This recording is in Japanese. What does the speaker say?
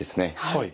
はい。